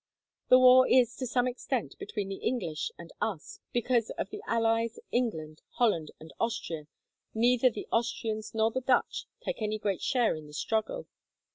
The war is to some extent between the English and us, because, of the allies England, Holland, and Austria, neither the Austrians nor the Dutch take any great share in the struggle.